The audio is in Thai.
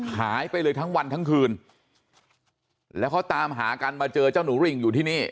หายไปเลยทั้งวันทั้งคืนแล้วเขาตามหากันมาเจอเจ้าหนูริ่งอยู่ที่นี่